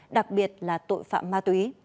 đặc biệt là tội phạm ma túy